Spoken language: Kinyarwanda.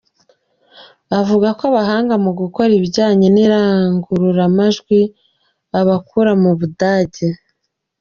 Avuga ko abahanga mu gukora ibijyanye n’irangururamajwi abakura mu Budage.